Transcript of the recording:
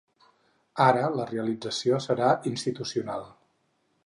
Ara, la realització serà institucional.